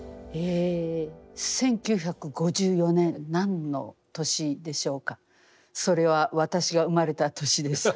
１９５４年何の年でしょうかそれは私が生まれた年です。